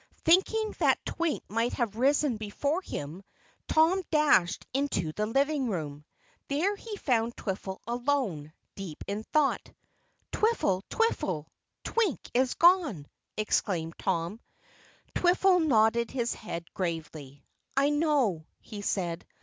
Thinking that Twink might have risen before him, Tom dashed into the living room. There he found Twiffle alone, deep in thought. "Twiffle! Twiffle! Twink is gone!" exclaimed Tom. Twiffle nodded his head gravely. "I know," he said.